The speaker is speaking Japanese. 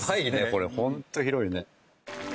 これホント広いね。